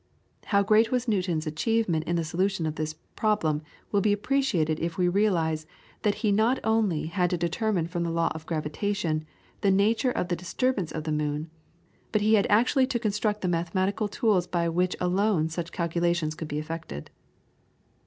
How great was Newton's achievement in the solution of this problem will be appreciated if we realise that he not only had to determine from the law of gravitation the nature of the disturbance of the moon, but he had actually to construct the mathematical tools by which alone such calculations could be effected.